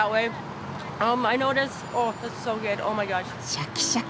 シャキシャキ。